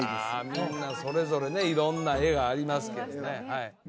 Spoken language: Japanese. みんなそれぞれね色んな絵がありますけどね